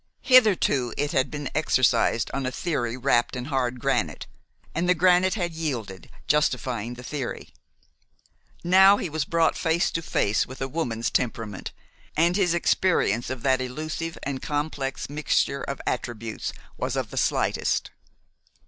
Hitherto, it had been exercised on a theory wrapped in hard granite, and the granite had yielded, justifying the theory. Now he was brought face to face with a woman's temperament, and his experience of that elusive and complex mixture of attributes was of the slightest.